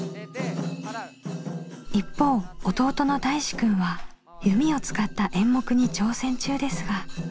一方弟のたいしくんは弓を使った演目に挑戦中ですが。